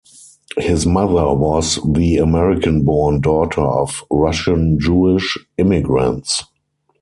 His mother was the American-born daughter of Russian-Jewish immigrants.